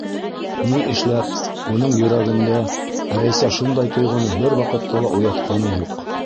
Ни эшләп уның йөрәгендә Рәйсә шундай тойғоно бер ваҡытта ла уятҡаны юҡ?